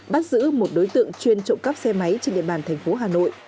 bắt giữ một đối tượng chuyên trộm cắp xe máy trên địa bàn thành phố hà nội